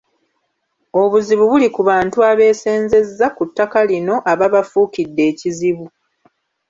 Obuzibu buli ku bantu abeesenzezza ku ttaka lino ababafuukidde ekizibu.